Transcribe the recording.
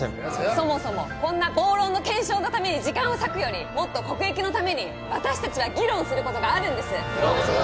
そもそもこんな暴論の検証のために時間を割くよりもっと国益のために私達は議論することがあるんですそうだ